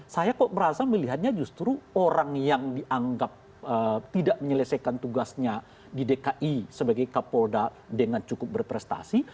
saya kok merasa melihatnya justru orang yang dianggap tidak menyelesaikan tugasnya di dki sebagai kapolda dengan cukup berprestasi